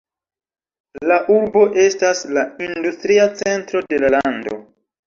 La urbo estas la industria centro de la lando.